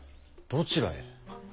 どちらへ。